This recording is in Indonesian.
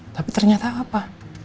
tapi ternyata apa